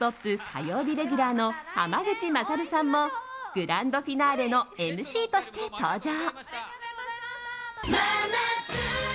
火曜日レギュラーの濱口優さんもグランドフィナーレのＭＣとして登場。